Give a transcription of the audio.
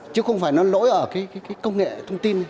chứ không phải nó lỗi ở công nghệ thông tin